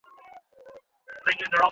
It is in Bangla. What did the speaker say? আমি - আমি জানি না আমার এত খারাপ লাগছে কেন।